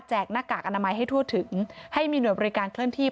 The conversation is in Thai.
หน้ากากอนามัยให้ทั่วถึงให้มีหน่วยบริการเคลื่อนที่